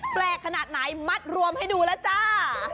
แปลกขนาดไหนมัดรวมให้ดูแล้วจ้า